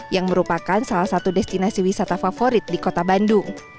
yang merupakan salah satu destinasi wisata favorit di kota bandung